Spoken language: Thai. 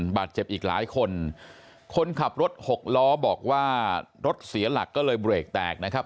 บาดเจ็บอีกหลายคนคนขับรถหกล้อบอกว่ารถเสียหลักก็เลยเบรกแตกนะครับ